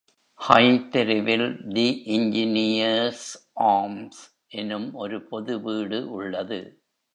High தெருவில் the engineer's arms எனும் ஒரு பொது வீடு உள்ளது.